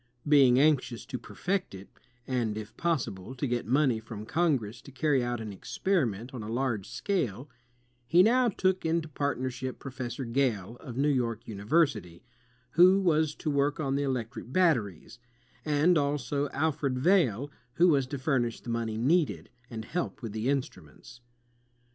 Being anxious to perfect it, and if possible to get money from Congress to carry out an experiment on a large scale, he now took into partnership Professor Gale, of New York University, who was to work on the electric batteries; and also Alfred Vail, who was to furnish the money needed, and help with the instnmients.